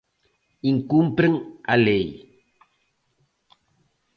Incumpren a lei.